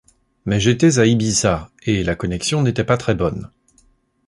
Mais j’étais à Ibiza, et la connexion n’était pas très bonne.